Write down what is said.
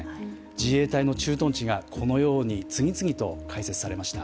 自衛隊の駐屯地がこのように次々と開設されました。